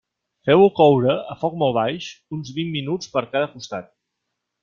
Feu-ho coure, a foc molt baix, uns vint minuts per cada costat.